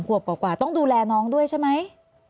ขวบกว่าต้องดูแลน้องด้วยใช่ไหม